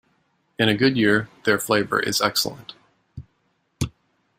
In a good year, their flavor is excellent.